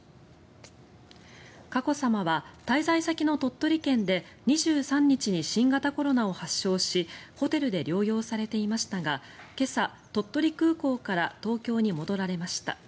佳子さまは滞在先の鳥取県で２３日に新型コロナを発症しホテルで療養されていましたが今朝、鳥取空港から東京に戻られました。